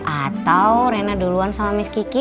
atau rena duluan sama misk kiki